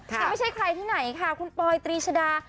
ยังไม่ใช่ใครที่ไหนค่ะคุณปอยตรีชดา